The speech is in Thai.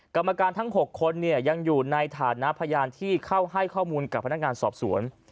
กรรมการทั้ง๖คนยังอยู่ในฐานะพยานที่เข้าให้ข้อมูลกับพนักงานสอบสวน